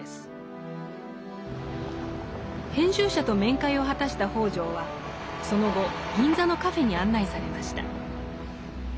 編集者と面会を果たした北條はその後銀座のカフェに案内されました。